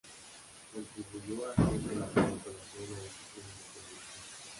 Contribuyó a hacer de la farmacología una disciplina independiente.